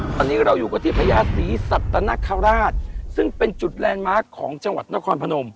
ตอนนี้เราอยู่กันที่พญาศรีสัตนคราชซึ่งเป็นจุดแลนด์มาร์คของจังหวัดนครพนม